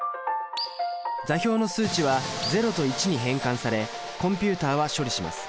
座標の数値は０と１に変換されコンピュータは処理します。